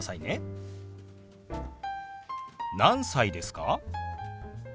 何歳ですか？